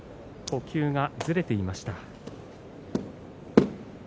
呼吸がずれていました。